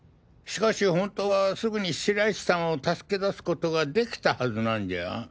しかし本当はすぐに白石さんを助け出すことができたはずなんじゃ。